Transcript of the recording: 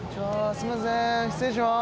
すみません失礼します。